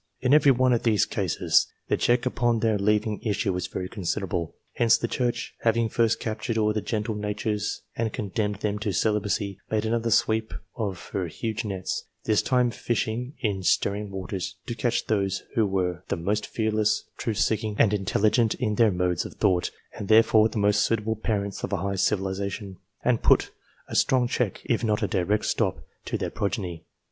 In every one of these cases the check upon their leaving issue was very considerable. Hence the Church, having first captured all the gentle natures and condemned them to celibacy, made another sweep of her huge nets, this time fishing in stirring waters, to catch those who were the most fearless, truth seeking, and intelligent, in their modes of thought, and therefore the most suitable parents of a high civilization, and put a strong check, if not a direct stop, to their progeny.